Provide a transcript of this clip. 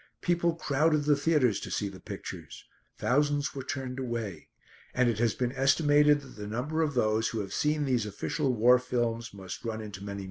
People crowded the theatres to see the pictures; thousands were turned away; and it has been estimated that the number of those who have seen these Official War Films must run into many millions.